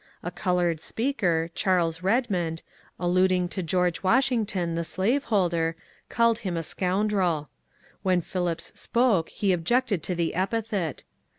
A coloured speaker, Charles Bemond, alluding to George Washington, the slave 334 M0NC3URE DANIEL CX)NWAY holder, called him a sconndreL When Phillips spoke he ob jected to the epithet.